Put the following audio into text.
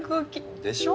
でしょ？